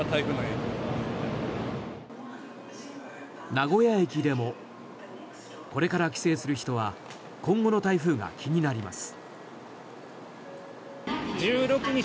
名古屋駅でもこれから帰省する人は今後の台風が気になります。